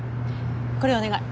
これお願い。